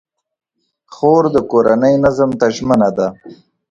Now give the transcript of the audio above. خور د کورنۍ نظم ته ژمنه ده.